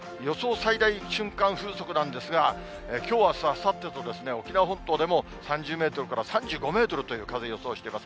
最大瞬間風速なんですが、きょう、あす朝ってと沖縄本島でも３０メートルから３５メートルという風、予想しています。